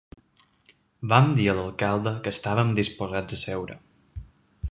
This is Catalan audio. I vam dir a l’alcalde que estàvem disposats a seure.